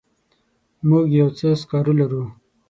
موږ یو څه سکاره لرو.